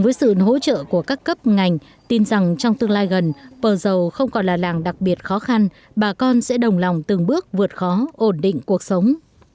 với sự hỗ trợ của các cấp ngành tin rằng trong tương lai gần pờ dầu không còn là làng đặc biệt khó khăn bà con sẽ đồng lòng từng bước vượt khó ổn định cuộc sống